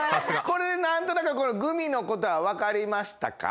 これでなんとなくグミのことはわかりましたか？